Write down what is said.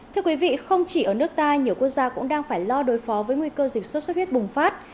thưa quý vị không chỉ ở nước ta nhiều quốc gia cũng đang phải lo đối phó với nguy cơ dịch sốt xuất huyết bùng phát